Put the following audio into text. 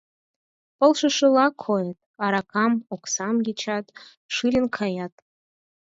Полшышыла койыт: аракам, оксам ячат — шылын каят.